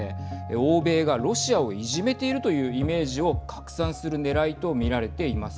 欧米がロシアをいじめているというイメージを拡散するねらいと見られています。